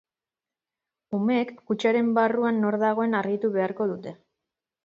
Umeek kutxaren barruan nor dagoen argitu beharko dute.